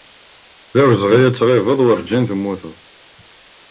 D awezɣi ad tɣibeḍ, urǧin temmuteḍ.